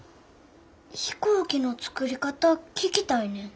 飛行機の作り方聞きたいねん。